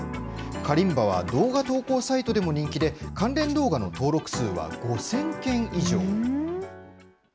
カリンバは動画投稿サイトでも人気で、関連動画の登録数は５０００件以上。